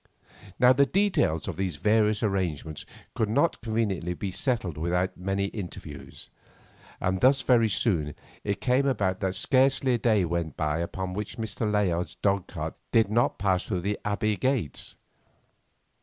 Now the details of these various arrangements could not conveniently be settled without many interviews, and thus very soon it came about that scarcely a day went by upon which Mr. Layard's dog cart did not pass through the Abbey gates.